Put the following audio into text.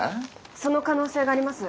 その可能性があります。